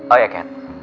oh ya kat